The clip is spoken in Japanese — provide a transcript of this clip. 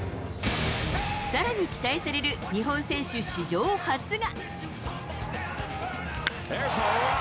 さらに期待される日本選手史上初が。